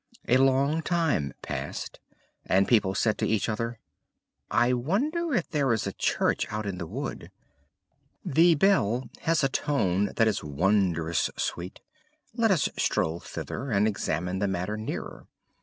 A long time passed, and people said to each other "I wonder if there is a church out in the wood? The bell has a tone that is wondrous sweet; let us stroll thither, and examine the matter nearer."